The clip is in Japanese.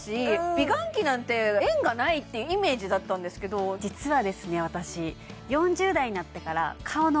美顔器なんて縁がないっていうイメージだったんですけど実はですね